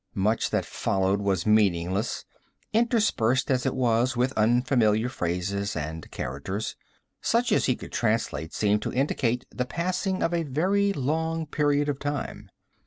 Much that followed was meaningless, interspersed as it was with unfamiliar phrases and characters. Such as he could translate seemed to indicate the passing of a very long period of time.